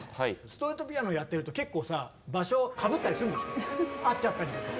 ストリートピアノやってると結構さ場所かぶったりするんでしょ会っちゃったりとか。